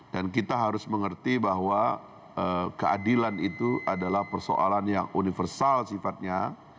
dan kita harus mengerti bahwa keadilan itu adalah persoalan yang universal sifatnya